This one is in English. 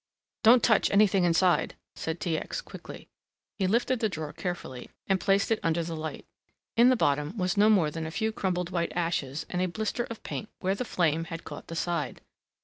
"Don't touch anything inside," said T. X. quickly. He lifted the drawer carefully and placed it under the light. In the bottom was no more than a few crumpled white ashes and a blister of paint where the flame had caught the side.